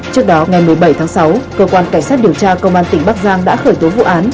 trước đó ngày một mươi bảy tháng sáu cơ quan cảnh sát điều tra công an tỉnh bắc giang đã khởi tố vụ án